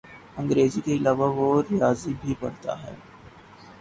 انگریزی کے علاوہ وہ ریاضی بھی پڑھاتا ہے۔